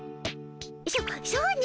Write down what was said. そそうね。